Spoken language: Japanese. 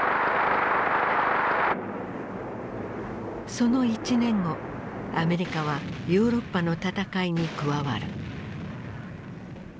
その１年後アメリカはヨーロッパの戦いに加わる。